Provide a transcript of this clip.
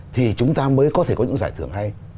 thì chúng ta mới có thể có những giải thưởng hay